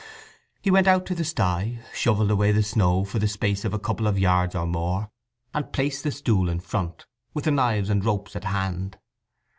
He went out to the sty, shovelled away the snow for the space of a couple of yards or more, and placed the stool in front, with the knives and ropes at hand.